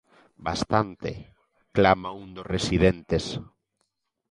Bastante, clama un dos residentes.